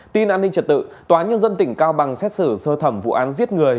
tin an ninh trật tự tòa nhân dân tỉnh cao bằng xét xử sơ thẩm vụ án giết người